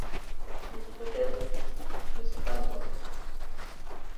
Les hypothèses ici ne sont pas nombreuses.